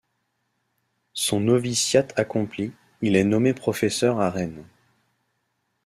Son noviciat accompli, il est nommé professeur à Rennes.